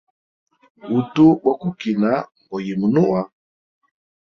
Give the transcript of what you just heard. Utu bokukina go yimunua.